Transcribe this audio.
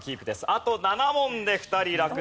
あと７問で２人落第です。